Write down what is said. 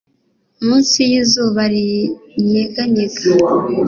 munsi y'izuba rinyeganyega